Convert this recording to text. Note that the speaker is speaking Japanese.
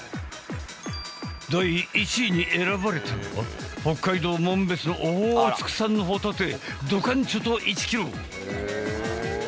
第１位に選ばれたのは北海道紋別オホーツク産のホタテどかんちょと１キロ！